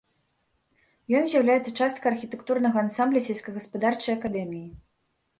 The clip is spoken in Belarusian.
Ён з'яўляецца часткай архітэктурнага ансамбля сельскагаспадарчай акадэміі.